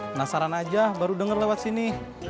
penasaran aja baru dengar lewat sini